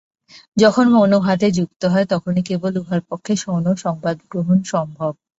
যখন মন উহাতে যুক্ত হয়, তখনই কেবল উহার পক্ষে কোন সংবাদগ্রহণ সম্ভব।